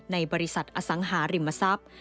ในบริษัทอสังหาริมทรัพย์